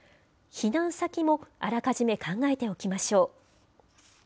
避難先もあらかじめ考えておきましょう。